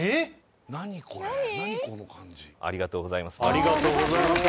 ありがとうございます。